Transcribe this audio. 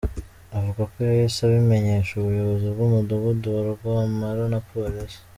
Avuga ko yahise abimenyesha ubuyobozi bw’umudugudu wa Rwampara na polisi.